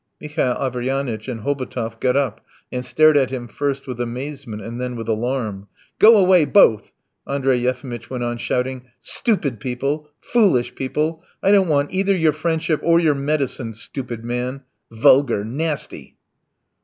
Mihail Averyanitch and Hobotov got up and stared at him first with amazement and then with alarm. "Go away, both!" Andrey Yefimitch went on shouting. "Stupid people! Foolish people! I don't want either your friendship or your medicines, stupid man! Vulgar! Nasty!"